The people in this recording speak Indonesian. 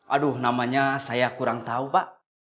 aduh namanya saya kurang tahu pak